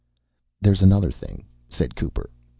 "There's another thing," said Cooper.